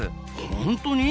本当に？